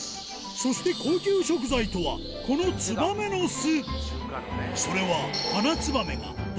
そして高級食材とはこのツバメの巣